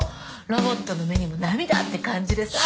ロボットの目にも涙って感じでさ。